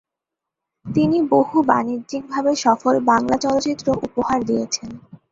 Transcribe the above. তিনি বহু বাণিজ্যিক ভাবে সফল বাংলা চলচ্চিত্র উপহার দিয়েছেন।